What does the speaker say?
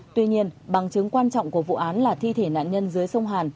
tuy nhiên bằng chứng quan trọng của vụ án là thi thể nạn nhân dưới sông hàn